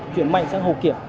chuyển mạnh sang hậu kiểm